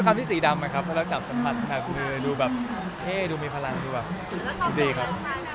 อันนี้สีดำนะครับแล้วจับสัมผัสดูแบบเท่ดูมีพลังดูดีครับ